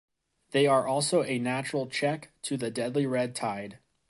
They are also a natural check to the deadly red tide.